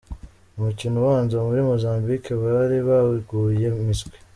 Umukino ubanza muri Mozambique bari baguye miswi.